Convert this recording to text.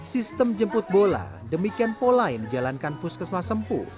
sistem jemput bola demikian pola yang dijalankan puskesmas sempu